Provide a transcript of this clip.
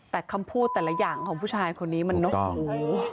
แต่คำพูดแต่ละอย่างของผู้ชายคนนี้มันเนอะโอ้โห